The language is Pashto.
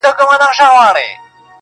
ملاکه چي په زړه کي په وا وا ده